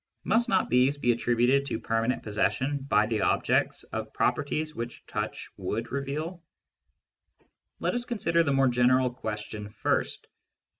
Must not these be attributed to permanent possession, by the objects, of the properties which touch would reveal ? Let us consider the more general question first.